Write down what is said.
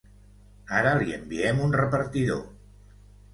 Ara li enviem un repartidor.